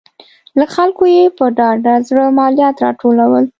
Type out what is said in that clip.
له خلکو یې په ډاډه زړه مالیات راټولول.